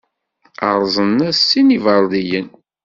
Rẓan-as sin iberḍiyen.